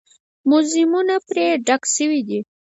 موزیمونه پرې ډک شوي دي.